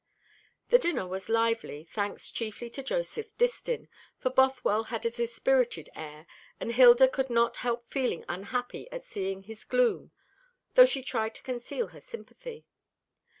The dinner was lively, thanks chiefly to Joseph Distin, for Bothwell had a dispirited air, and Hilda could not help feeling unhappy at seeing his gloom, though she tried to conceal her sympathy.